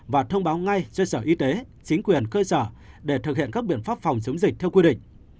và thông báo ngay cho sở y tế chính quyền cơ sở để thực hiện các biện pháp phòng chống dịch theo quy định